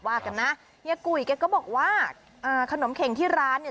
ว่ากันนะเฮียกุยแกก็บอกว่าอ่าขนมเข็งที่ร้านเนี่ย